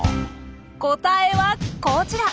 答えはこちら！